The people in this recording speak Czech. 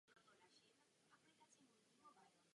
Takže hlavní problém je, že někde je tam velká díra.